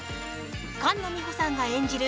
菅野美穂さんが演じる